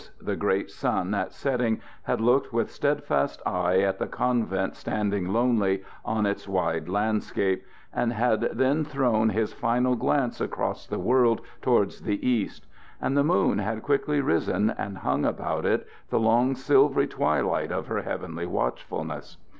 The great sun at setting had looked with steadfast eye at the convent standing lonely on its wide landscape, and had then thrown his final glance across the world towards the east; and the moon had quickly risen and hung about it the long silvery twilight of her heavenly watchfulness.